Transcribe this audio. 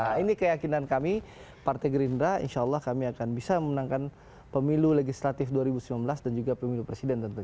nah ini keyakinan kami partai gerindra insya allah kami akan bisa memenangkan pemilu legislatif dua ribu sembilan belas dan juga pemilu presiden tentunya